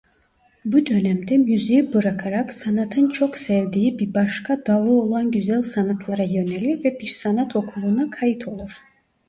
Bu dönemde müziği bırakarak sanatın çok sevdiği bir başka dalı olan güzel sanatlara yönelir ve bir sanat okuluna kayıt olur.